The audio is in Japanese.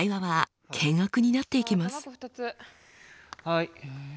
はい。